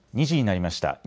２時になりました。